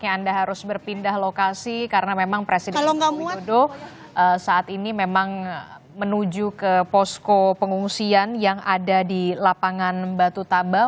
anda harus berpindah lokasi karena memang presiden joko widodo saat ini memang menuju ke posko pengungsian yang ada di lapangan batu tabel